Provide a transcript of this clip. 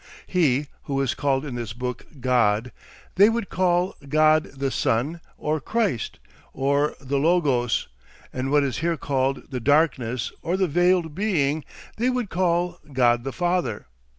He, who is called in this book God, they would call God the Son or Christ, or the Logos; and what is here called the Darkness or the Veiled Being, they would call God the Father.